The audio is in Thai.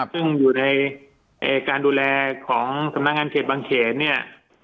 ซึ่งอยู่ในการดูแลของสำนักงานเขตบางเขนเนี่ย